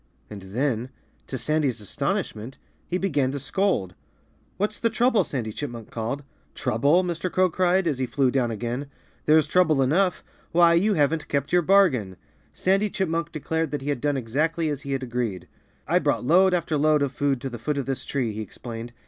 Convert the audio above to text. And then to Sandy's astonishment he began to scold. "What's the trouble?" Sandy Chipmunk called. "Trouble?" Mr. Crow cried, as he flew down again. "There's trouble enough. Why, you haven't kept your bargain!" Sandy Chipmunk declared that he had done exactly as he had agreed. "I brought load after load of food to the foot of this tree," he explained.